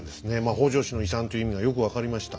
北条氏の遺産という意味がよく分かりました。